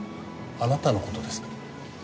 あなたの事ですか？